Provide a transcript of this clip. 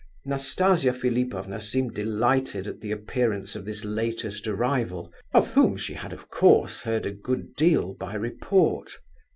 Nastasia Philipovna seemed delighted at the appearance of this latest arrival, of whom she had of course heard a good deal by report.